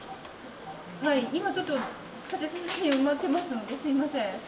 今、ちょっと立て続けに埋まってますのですみません。